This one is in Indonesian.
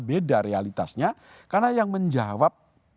beda realitasnya karena yang menjawab